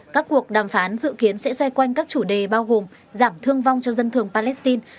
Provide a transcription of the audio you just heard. các cuộc đàm phán dự kiến sẽ xoay quanh các chủ đề bao gồm giảm thương vong cho dân thường palestine